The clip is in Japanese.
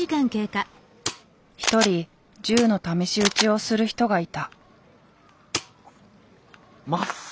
一人銃の試し撃ちをする人がいた。